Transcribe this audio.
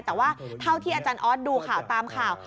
แต่ว่าเท่าที่อาจารย์ออสดูข่าวตามข่าว